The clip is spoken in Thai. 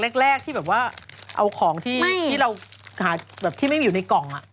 เป็นโฟดัคล์เล็กที่แบบว่าเอาของที่ไม่อยู่ในกล่องอะ